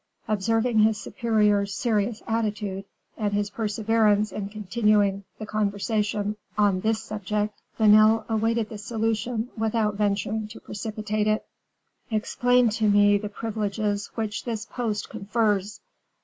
Observing his superior's serious attitude, and his perseverance in continuing the conversation on this subject, Vanel awaited the solution without venturing to precipitate it. "Explain to me the privileges which this post confers."